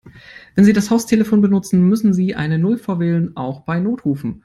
Wenn Sie das Haustelefon benutzen, müssen Sie eine Null vorwählen, auch bei Notrufen.